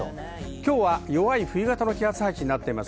今日は弱い冬型の気圧配置になっています。